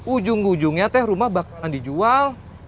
ujung ujungnya teh rumah bakal dijual